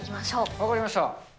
分かりました。